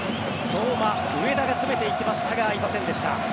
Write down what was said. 相馬、上田が詰めていきましたが合いませんでした。